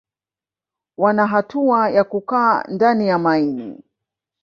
Wana hatua ya kukaa ndani ya maini